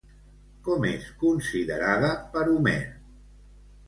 Com és considerada per Homer?